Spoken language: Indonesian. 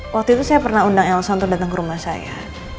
waktu itu saya pernah undang elsa untuk datang ke rumah saya